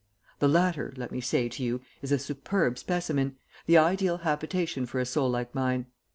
The latter, let me say to you, is a superb specimen, the ideal habitation for a soul like mine.